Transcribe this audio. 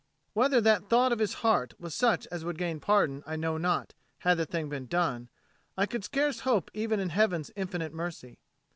Whether that thought of his heart was such as would gain pardon, I know not: had the thing been done, I could scarce hope even in Heaven's infinite mercy.